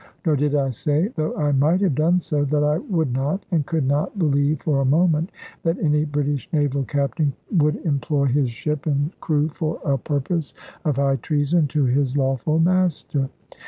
Nor did I say, though I might have done so, that I would not and could not believe for a moment that any British naval captain would employ his ship and crew for a purpose of high treason to his lawful master.